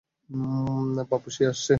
পাপ্পু, সে আসছে।